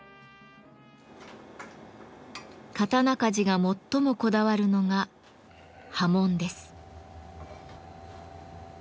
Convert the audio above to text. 刀鍛冶が最もこだわるのが刃文です。